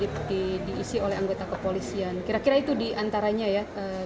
itu diisi oleh anggota kepolisian kira kira itu diantaranya ya